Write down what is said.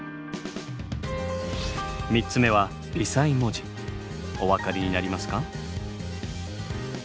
３つ目はお分かりになりますか？